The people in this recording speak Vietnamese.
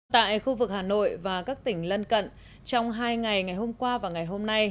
tại khu vực hà nội và các tỉnh lân cận trong hai ngày ngày hôm qua và ngày hôm nay